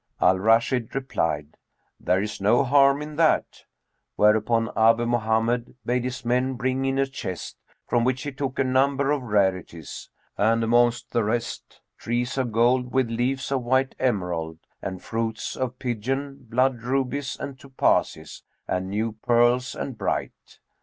Al Rashid replied, "There is no harm in that,"[FN#228] whereupon Abu Mohammed bade his men bring in a chest, from which he took a number of rarities, and amongst the rest, trees of gold with leaves of white emeraid,[FN#229] and fruits of pigeon blood rubies and topazes and new pearls and bright.